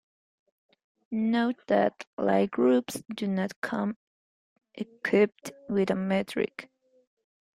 Note that Lie groups do not come equipped with a metric.